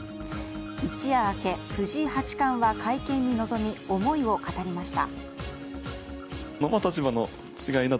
一夜明け、藤井八冠は会見に臨み思いを語りました。